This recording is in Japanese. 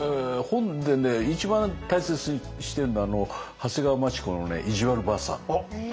本でね一番大切にしてるのは長谷川町子のね「いじわるばあさん」。